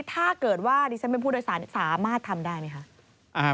ถ้าเกิดว่าดิฉันเป็นผู้โดยสารสามารถทำได้ไหมคะ